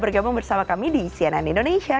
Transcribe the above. bergabung bersama kami di cnn indonesia